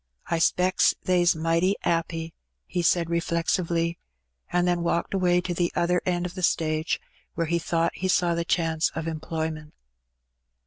" I specks they's mighty 'appy,'' he said reflectively, and then walked away to the other end of the stage, where he thought he saw the chance of employment.